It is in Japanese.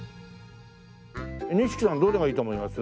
西木さんどれがいいと思います？